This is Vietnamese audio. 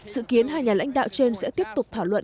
dự kiến hai nhà lãnh đạo trên sẽ tiếp tục thảo luận